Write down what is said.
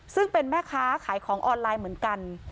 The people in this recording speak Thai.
ซึ่งเป็นแม่ค้าขายของออนไลน์เหมือนกัน